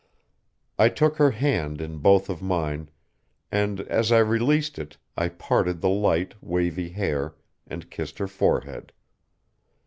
I took her hand in both of mine, and, as I released it, I parted the light, wavy hair, and kissed her forehead.